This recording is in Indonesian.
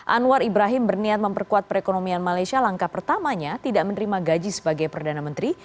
anwar ibrahim berniat memperkuat perekonomian malaysia langkah pertamanya tidak menerima gaji sebagai perdana menteri